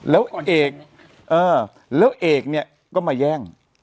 แล้วเอกแล้วเอกเนี่ยก็มาแย่ง